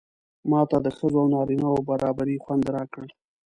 ماته د ښځو او نارینه و برابري خوند راکړ.